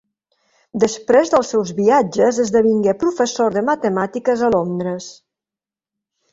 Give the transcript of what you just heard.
Després dels seus viatges esdevingué professor de matemàtiques a Londres.